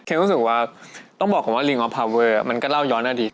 รู้สึกว่าต้องบอกก่อนว่าลิงออฟพาเวอร์มันก็เล่าย้อนอดีต